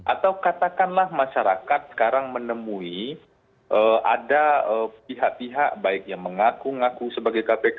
atau katakanlah masyarakat sekarang menemui ada pihak pihak baik yang mengaku ngaku sebagai kpk